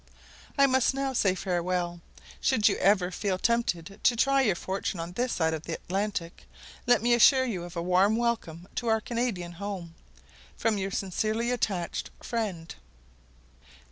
I must now say farewell. Should you ever feel tempted to try your fortune on this side the Atlantic, let me assure you of a warm welcome to our Canadian home, from your sincerely attached friend.